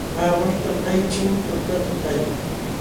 Aawaśhtam ayćhin tutatutalla.